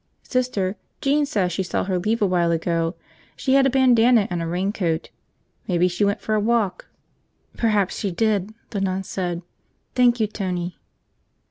"Sister, Jean says she saw her leave a while ago. She had a bandana and a raincoat. Maybe she went for a walk." "Perhaps she did," the nun said. "Thank you, Tony."